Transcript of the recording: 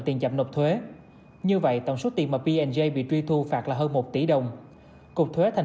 tiền chậm nộp thuế như vậy tổng số tiền mà png bị truy thu phạt là hơn một tỷ đồng cục thuế thành